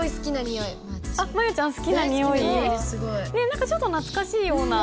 何かちょっと懐かしいような。